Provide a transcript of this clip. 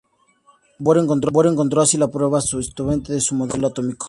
Bohr encontró así la prueba irrefutable de su modelo atómico.